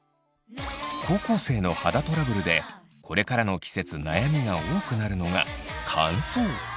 高校生の肌トラブルでこれからの季節悩みが多くなるのが乾燥。